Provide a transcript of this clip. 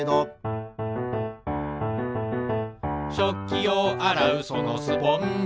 「しょっきをあらうそのスポンジ」